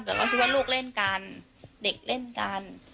แต่เราคิดว่าลูกเล่นกันเด็กเล่นกัน